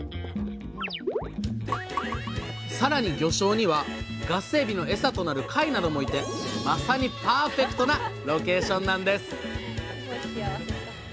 さらに魚礁にはガスエビのエサとなる貝などもいてまさにパーフェクトなロケーションなんです！